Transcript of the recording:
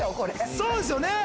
そうですよね！